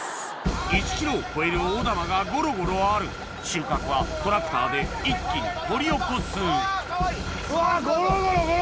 １ｋｇを超える大玉がゴロゴロある収穫はトラクターで一気に掘り起こすうわゴロゴロゴロゴロ！